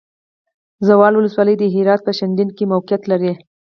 زاول ولسوالی د هرات په شینډنډ کې موقعیت لري.